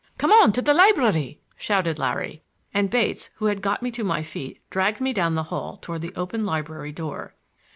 "Come on to the library!" shouted Larry, and Bates, who had got me to my feet, dragged me down the hall toward the open library door.